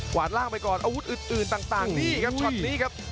วาดล่างไปก่อนอาวุธอื่นต่างนี่ครับช็อตนี้ครับ